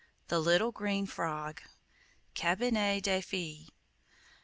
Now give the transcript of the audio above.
THE LITTLE GREEN FROG(8) (8) Cabinet des Fees.